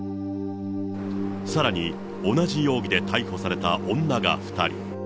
さらに、同じ容疑で逮捕された女が２人。